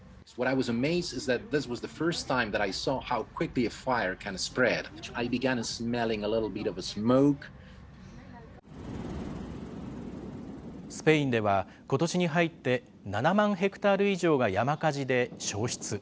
スペインではことしに入って７万ヘクタール以上が山火事で焼失。